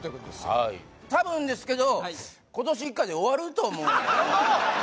はい多分ですけど今年１回で終わると思うんですよ